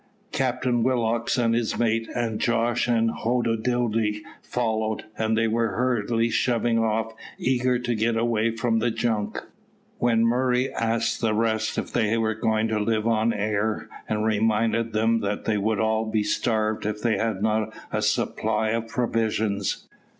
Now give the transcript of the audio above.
Captain Willock and his mate, and Jos and Hoddidoddi followed, and they were hurriedly shoving off, eager to get away from the junk, when Murray asked the rest if they were going to live on air, and reminded them that they would all be starved if they had not a supply of provisions.